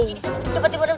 jadi sempet di bawah sepuluh